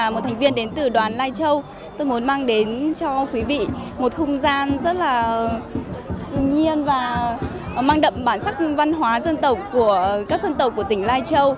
một thành viên đến từ đoàn lai châu tôi muốn mang đến cho quý vị một không gian rất là nhiên và mang đậm bản sắc văn hóa dân tộc của các dân tộc của tỉnh lai châu